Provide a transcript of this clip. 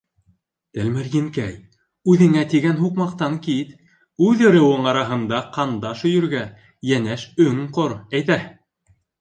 Тәлмәрйенкәй, үҙеңә тигән һуҡмаҡтан кит. Үҙ ырыуың араһында ҡандаш өйөргә йәнәш өң ҡор, әйҙә.